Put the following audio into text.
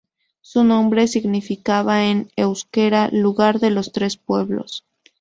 Su nombre significaba en euskera "lugar de los tres pueblos".